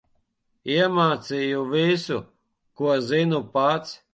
Iemācīju visu, ko zinu pats.